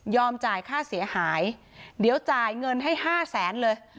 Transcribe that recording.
จ่ายค่าเสียหายเดี๋ยวจ่ายเงินให้๕แสนเลย